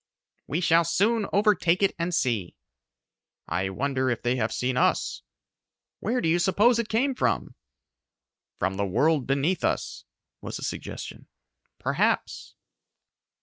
"We shall soon overtake it and see." "I wonder if they have seen us?" "Where do you suppose it came from?" "From the world beneath us," was the suggestion. "Perhaps."